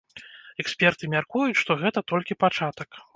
Эксперты мяркуюць, што гэта толькі пачатак.